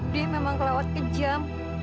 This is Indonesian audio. dia memang kelewat kejam